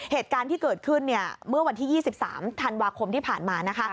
เหตุการณ์ที่เกิดขึ้นเนี่ยเมื่อวันที่๒๓ธันวาคมที่ผ่านมานะคะ